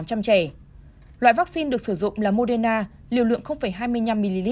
loại vaccine được sử dụng là moderna liều lượng hai mươi năm ml